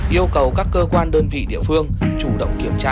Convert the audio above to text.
yêu cầu các cơ quan đơn vị địa phương chủ động kiểm tra